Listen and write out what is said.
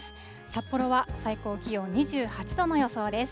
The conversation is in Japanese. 札幌は最高気温２８度の予想です。